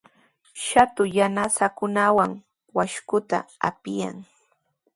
Shatu yanasankunawan washkuta upyan.